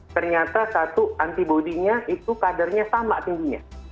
ternyata satu antibody nya itu kadarnya sama tingginya